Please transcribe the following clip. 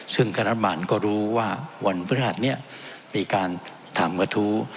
ซึ่งคณะมารก็รู้ว่าวันพฤหัสนี้มีการถามกระทู้